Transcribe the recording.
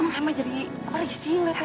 saya mah jadi polisi mepetal